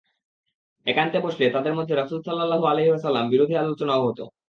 একান্তে বসলে তাদের মধ্যে রাসূল সাল্লাল্লাহু আলাইহি ওয়াসাল্লাম বিরোধী আলোচনাও হত।